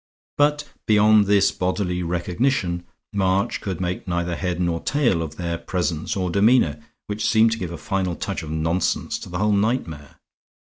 But beyond this bodily recognition, March could make neither head nor tail of their presence or demeanor, which seemed to give a final touch of nonsense to the whole nightmare.